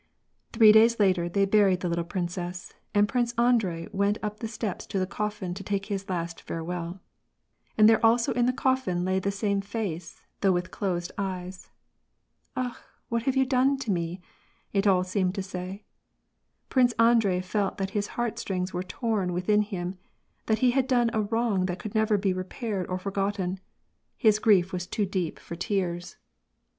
Three days later, they buriod the little princess, and Prince Andrei went up the steps to the coffin to take his last fare well. And there also in the coffin lay the same face, though with closed eyes. " Akh ! what have you done to me ?" it all seemed to say. Prince Andrei felt that his heartstrings were torn within him, that he had done a wrong that could never be repaired or for gotten. His grief was too deep for tears.